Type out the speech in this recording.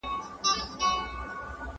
وني بې رېښو نه وي.